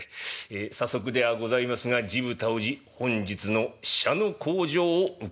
え早速ではございますが地武太氏本日の使者の口上を承りたいと存じまする」。